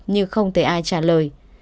nhưng không thể ai trả lời